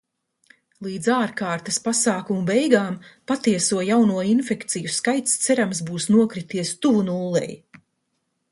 Līdz ārkārtas pasākumu beigām patieso jauno infekciju skaits, cerams, būs nokrities tuvu nullei.